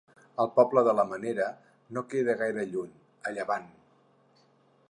El poble de la Menera no queda gaire lluny, a llevant.